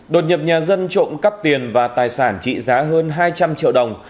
đột nhập nhà dân trộm cắp tiền và tài sản trị giá hơn hai trăm linh triệu đồng